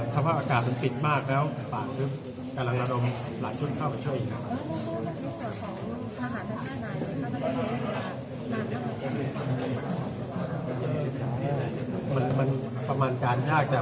สภาพอากาศเป็นปิดมากแล้วการเริ่มหลานชุดเข้าในเวลา